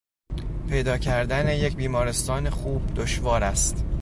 پیدا کردن یک بیمارستان خوب دشوار است.